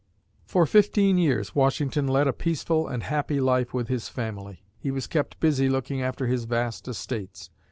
For fifteen years, Washington led a peaceful and happy life with his family. He was kept busy looking after his vast estates.